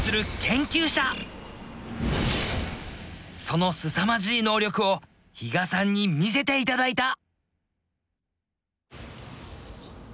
そのすさまじい能力を比嘉さんに見せて頂いた。